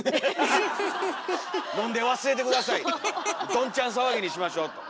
どんちゃん騒ぎにしましょうと。